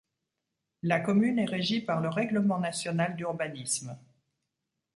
La commune est régie par le Règlement national d'urbanisme.